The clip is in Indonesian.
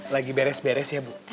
lagi beres beres ya bu